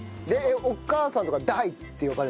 お母さんとか「大」って呼ばれるの？